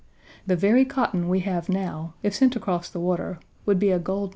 The very cotton we have now, if sent across the water, would be a gold mine to us.